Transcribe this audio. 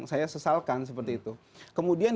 saya sesalkan seperti itu kemudian